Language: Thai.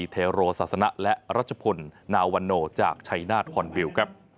เทโรศาสนะและรัชพลนาวันโนจากชัยนาธฮอนวิวครับ